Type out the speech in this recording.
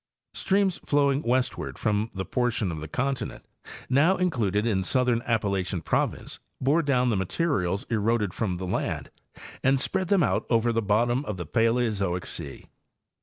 Streams flowing westward from the portion of the continent now included in the southern Appalachian province bore down the materials eroded from the land and spread them out over the bottom of the Paleozoic sea.